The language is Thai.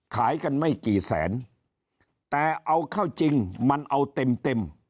ขายกันไม่กี่แสนแต่เอาเข้าจริงมันเอาเต็มเต็ม